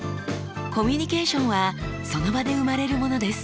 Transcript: コミュニケーションはその場で生まれるものです。